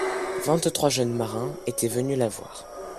vingt trois jeunes marins étaient venus la voir.